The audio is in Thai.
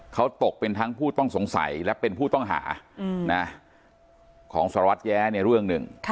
เขาตกเป็นทั้งผู้ต้องสงสัยและเป็นผู้ต้องหาของสารวัตรแย้ในเรื่องหนึ่ง